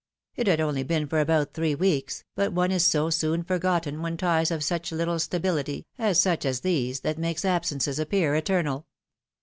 It had only been for about three weeks, but one is so soon forgotten when ties have such little stability, as such as these, that make absences appear eternal.